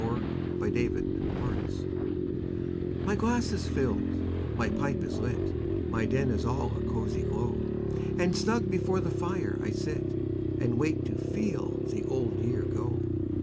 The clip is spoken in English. The Passing of the Year My glass is filled, my pipe is lit, My den is all a cosy glow; And snug before the fire I sit, And wait to FEEL the old year go.